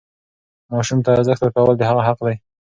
ماسوم ته ارزښت ورکول د هغه حق دی.